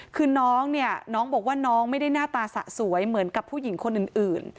คือน้องเนี่ยน้องบอกว่าน้องไม่ได้หน้าตาสะสวยเหมือนกับผู้หญิงคนอื่น